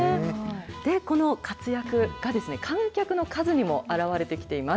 この活躍が、観客の数にも表れてきています。